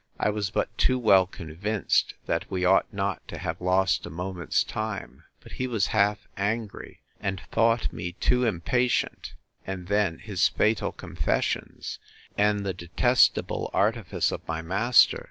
I was but too well convinced, that we ought not to have lost a moment's time; but he was half angry, and thought me too impatient; and then his fatal confessions, and the detestable artifice of my master!